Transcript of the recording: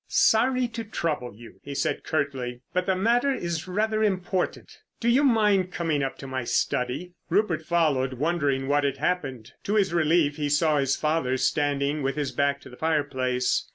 "Sorry to trouble you," he said curtly; "but the matter is rather important. Do you mind coming up to my study?" Rupert followed, wondering what had happened. To his relief he saw his father standing with his back to the fireplace.